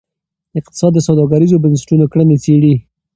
اقتصاد د سوداګریزو بنسټونو کړنې څیړي.